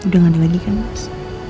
sudah nggak ada lagi kan mas